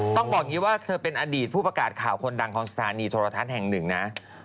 ต้องบอกอย่างนี้ว่าเธอเป็นอดีตผู้ประกาศข่าวคนดังของสถานีโทรทัศน์แห่งหนึ่งนะ